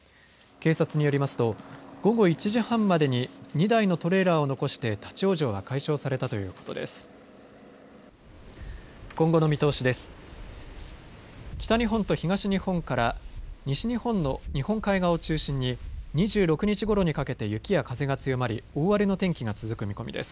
警察によりますと午後１時半までに２台のトレーラーを残して立往生は解消されたということです。